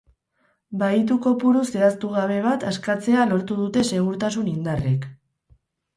Bahitu kopuru zehaztu gabe bat askatzea lortu dute segurtasun indarrek.